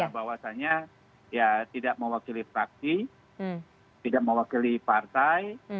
bahwasannya ya tidak mewakili fraksi tidak mewakili partai